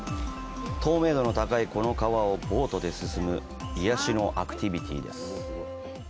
透明度の高いこの川をボートで進む癒やしのアクティビティです。